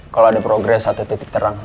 kalau ada progres atau titik terang